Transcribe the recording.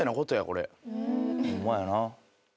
ホンマやな。